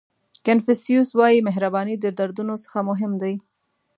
کانفیوسیس وایي مهرباني د دردونو څخه مهم دی.